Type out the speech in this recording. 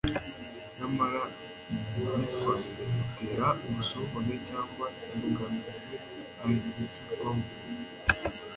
nyamara iyi myitwarire itera ubusumbane cyangwa imbogamizi ahindurwamo